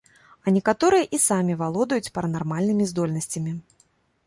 А некаторыя і самі валодаюць паранармальнымі здольнасцямі.